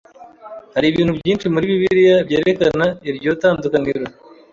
Hari ibintu byinshi muri Bibiliya byerekana iryo tandukaniro.